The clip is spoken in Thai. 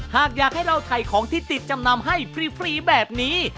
หากอยากให้เราถ่ายของที่ติดจำนำให้ฟรีแบบนี้